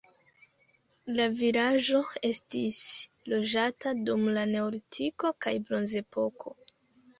La vilaĝo estis loĝata dum la neolitiko kaj bronzepoko.